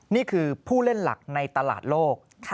นี่คือผู้เล่นหลักในตลาดโลก